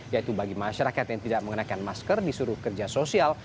yaitu bagi masyarakat yang tidak mengenakan masker disuruh kerja sosial